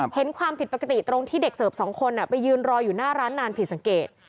เห็นความผิดปกติตรงที่เด็กเสิร์ฟสองคนไปยืนรออยู่หน้าร้านนานผิดสังเกต